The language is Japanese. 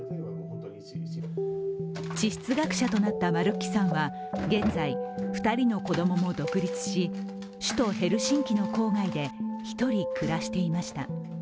地質学者となったマルッキさんは現在、２人の子供も独立し首都ヘルシンキの郊外で１人暮らしていました。